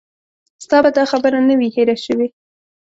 ستا به دا خبره نه وي هېره شوې.